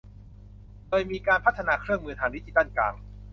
โดยมีการพัฒนาเครื่องมือทางดิจิทัลกลาง